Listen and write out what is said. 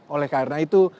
oleh karena itu